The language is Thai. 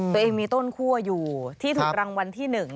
ตัวเองมีต้นคั่วอยู่ที่ถูกรางวัลที่๑